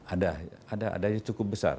ada ada yang cukup besar